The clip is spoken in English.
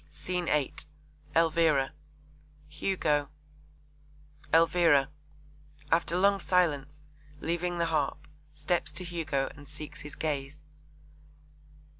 SCENE VIII. ELVIRA. HUGO. ELVIRA (after long silence, leaving the harp, steps to Hugo, and seeks his gaze).